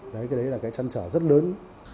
đấy cái đấy là cái trăn trở rất lớn